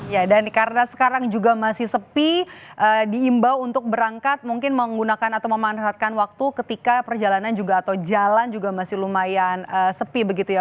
ya dan karena sekarang juga masih sepi diimbau untuk berangkat mungkin menggunakan atau memanfaatkan waktu ketika perjalanan juga atau jalan juga masih lumayan sepi begitu ya